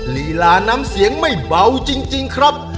ลีลาน้ำเสียงไม่เบาจริงครับ